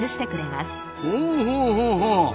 ほうほうほうほう。